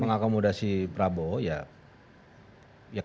mengakomodasi prabowo ya